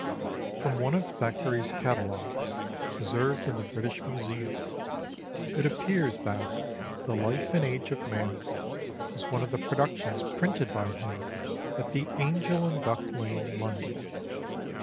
[FROM one of Thackeray's Catalogues, preserved in the British Museum, it appears that The Life and Age of Man was one of the productions printed by him at the 'Angel in Duck Lane, London.